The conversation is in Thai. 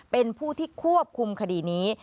เป็นผู้ที่ควบคุมคดีนี้